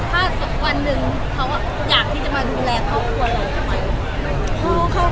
ถ้าวันหนึ่งเขาอยากที่จะมาดูแลครอบครัวเราทำไม